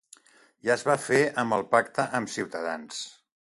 Ja és va fer amb el pacte amb Ciutadans.